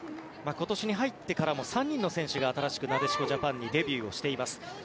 今年に入ってからも３人の選手が新しくなでしこジャパンにデビューしています。